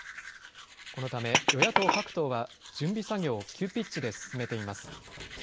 このため、与野党各党は準備作業を急ピッチで進めています。